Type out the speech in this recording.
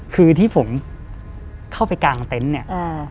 คือที่ผมเข้าไปกลางเต็นต์เนี่ย